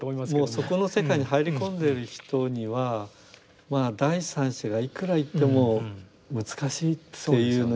もうそこの世界に入り込んでる人には第三者がいくら言っても難しいっていうのが実感ですね。